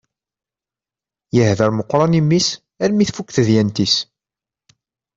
Yehder meqqran i mmi-s almi tfukk tedyant-is.